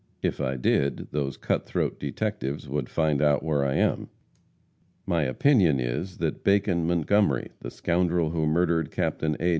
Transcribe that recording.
If I did, those cut throat detectives would find out where I am. My opinion is that Bacon Montgomery, the scoundrel who murdered Capt. A.